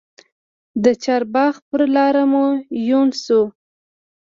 د چارباغ پر لار مو یون سو